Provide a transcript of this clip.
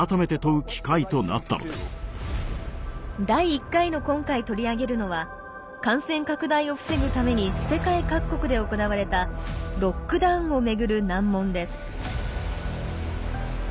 第１回の今回取り上げるのは感染拡大を防ぐために世界各国で行われた「ロックダウン」をめぐる難問です。